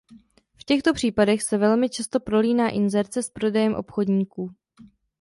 V těchto případech se velmi často prolíná inzerce s prodejem obchodníků.